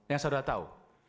yang sudah tahu